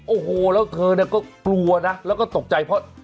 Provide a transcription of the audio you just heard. โอ้โหแล้วเธอเนี่ยก็กลัวนะแล้วก็ตกใจเพราะ